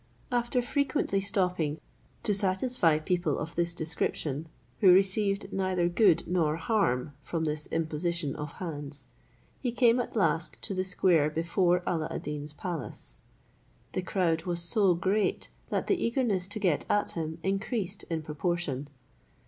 After frequently stopping to satisfy people of this description, who received neither good nor harm from this imposition of hands, he came at last to the square before Alla ad Deen's palace. The crowd was so great that the eagerness to get at him increased in proportion.